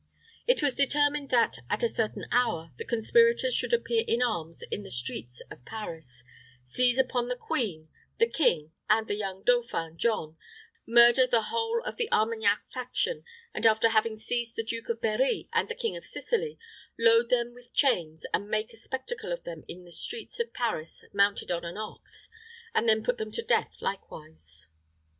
It was determined that, at a certain hour, the conspirators should appear in arms in the streets of Paris, seize upon the queen, the king, and the young dauphin, John, murder the whole of the Armagnac faction, and, after having seized the Duke of Berri and the King of Sicily, load them with chains, and make a spectacle of them in the streets of Paris mounted on an ox, and then put them to death likewise.